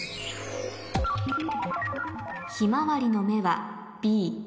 「ひまわりの芽はＢ」